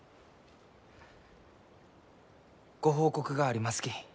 ご報告がありますき。